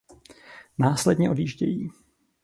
Následně odjíždějí.